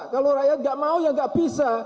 kalau rakyat nggak mau ya nggak bisa